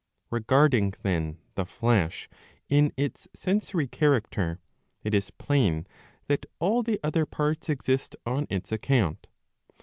Regarding then the flesh in its sensory character, it is plain that all the other parts exist on its account.